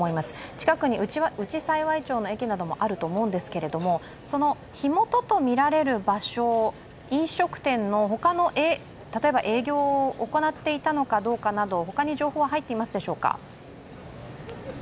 近くに内幸町の駅などもあると思うんですけれどもその火元とみられる場所、飲食店の例えば営業を行っていたかなど他に情報は入っていますでしょうか？